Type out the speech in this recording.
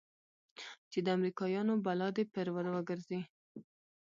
چې د امريکايانو بلا دې پر وګرځي.